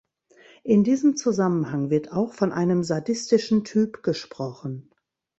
In diesem Zusammenhang wird auch von einem sadistischen Typ gesprochen.